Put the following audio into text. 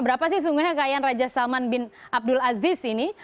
berapa sih sungguhnya kekayaan raja salman bin abdul aziz ini